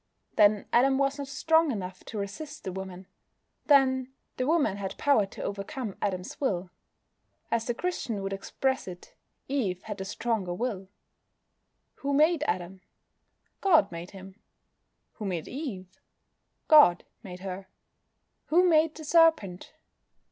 Then Adam was not strong enough to resist the woman. Then, the woman had power to overcome Adam's will. As the Christian would express it, "Eve had the stronger will." Who made Adam? God made him. Who made Eve? God made her. Who made the Serpent?